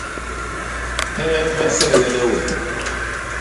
Hee me sehlene we?